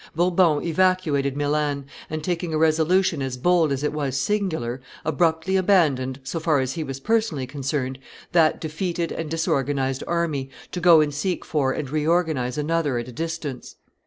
Bourbon evacuated Milan, and, taking a resolution as bold as it was singular, abruptly abandoned, so far as he was personally concerned, that defeated and disorganized army, to go and seek for and reorganize another at a distance.